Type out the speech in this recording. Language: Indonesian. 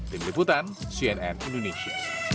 tim liputan cnn indonesia